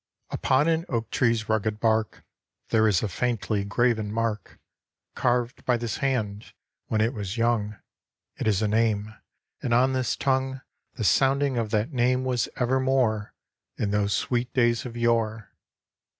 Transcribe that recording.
UPON an oak tree's rugged bark There is a faintly 'graven mark, Carved by this hand, when it was young. It is a name, and on this tongue The sounding of that name was evermore In those sweet days of yore